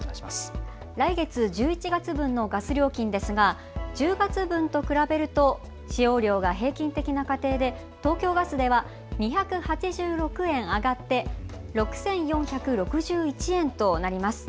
来月１１月分のガス料金ですが１０月分と比べると使用量が平均的な家庭で東京ガスでは２８６円上がって６４６１円となります。